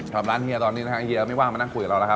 กลับร้านเฮียตอนนี้นะคะเฮียไม่ว่างมานั่งคุยกับเรานะคะ